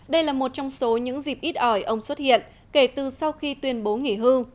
đây là một trong số những dịp ít ỏi ông xuất hiện kể từ sau khi tuyên bố nghỉ hưu